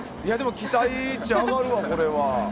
期待値が上がるわ、これは。